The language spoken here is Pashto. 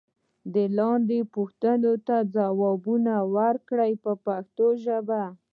لاندې پوښتنو ته ځوابونه ورکړئ په پښتو ژبه.